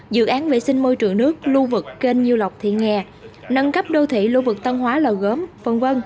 dự án vệ sinh môi trường nước lưu vực kênh nhiêu lọc thị nghè nâng cấp đô thị lưu vực tân hóa lò gốm v v